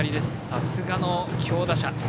さすがの強打者。